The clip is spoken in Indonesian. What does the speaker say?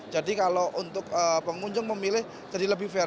jadi kalau untuk pengunjung memilih jadi lebih fair